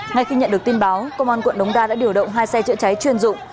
ngay khi nhận được tin báo công an quận đống đa đã điều động hai xe chữa cháy chuyên dụng